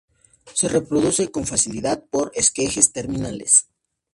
Se reproduce con facilidad por esquejes terminales.